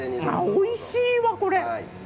おいしいわ、これ。